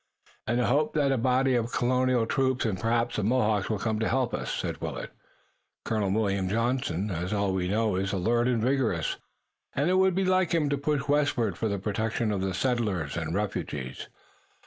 "And hope that a body of Colonial troops and perhaps the Mohawks will come to help us," said Willet. "Colonel William Johnson, as we all know, is alert and vigorous, and it would be like him to push westward for the protection of settlers and refugees.